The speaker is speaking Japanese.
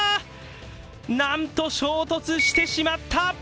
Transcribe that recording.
なんと衝突してしまった！